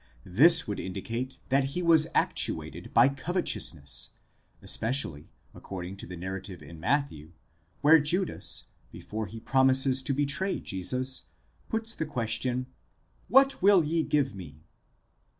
This would indicate that he was actuated by covetousness, especially according to the narrative in Matthew, where Judas, before he promises to betray Jesus, puts the question, What τοῦ] ye give me?